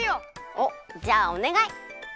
おっじゃあおねがい！